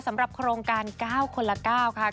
สำหรับโครงการ๙คนละ๙ค่ะ